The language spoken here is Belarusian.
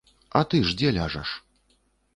А ты ж дзе ляжаш?